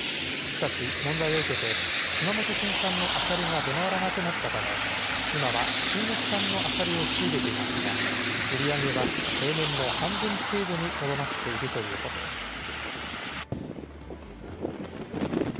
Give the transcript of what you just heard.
しかし、問題を受けて、熊本県産のアサリが出回らなくなったため、今は中国産のアサリを仕入れていますが、売り上げは、例年の半分程度にとどまっているということです。